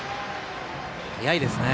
速いですね。